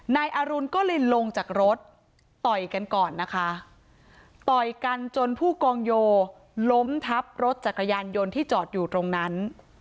นายอรุณก็เลยลงจากรถต่อยกันก่อนนะคะต่อยกันจนผู้กองโยล้มทับรถจักรยานยนต์ที่จอดอยู่ตรงนั้น